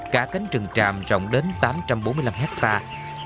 cá cánh rừng trạm rộng đến tám trăm bốn mươi năm hectare